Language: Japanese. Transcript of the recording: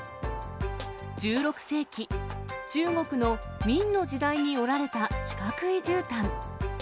１６世紀、中国の明の時代に織られた四角いじゅうたん。